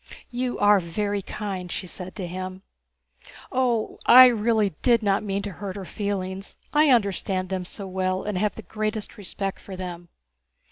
"You are very kind," she said to him. "Oh, I really did not mean to hurt her feelings. I understand them so well and have the greatest respect for them."